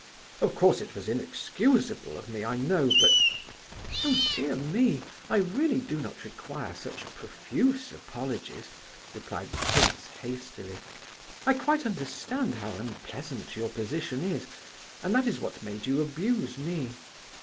Of course it was inexcusable of me, I know, but—" "Oh, dear me, I really do not require such profuse apologies," replied the prince, hastily. "I quite understand how unpleasant your position is, and that is what made you abuse me.